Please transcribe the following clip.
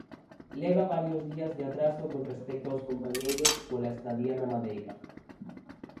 Leva varios días de atraso con respecto aos compañeiros pola estadía na Madeira.